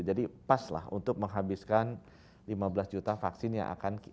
jadi paslah untuk menghabiskan lima belas juta vaksin yang akan